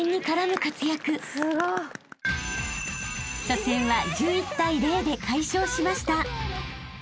［初戦は１１対０で快勝しました］